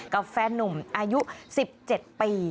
กับแฟนนุ่มอายุ๑๗ปี